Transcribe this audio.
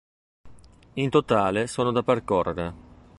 In totale sono da percorrere.